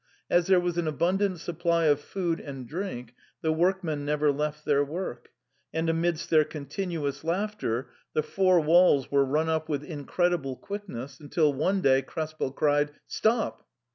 As there was an abundant supply of food and drink, the workmen never left their work ; and amidst their continuous laughter the four walls were run up with incredible quickness, until one day Krespel cried, " Stop